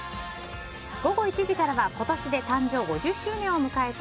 午後１時からは今年で誕生５０周年を迎えた